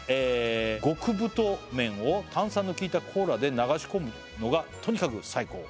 「極太麺を炭酸のきいたコーラで流し込むのがとにかく最高！」